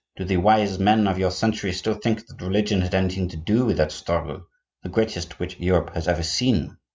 Do the wise men of your century still think that religion had anything to do with that struggle, the greatest which Europe has ever seen?